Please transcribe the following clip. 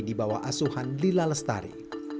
di bawah asuhan lila lestari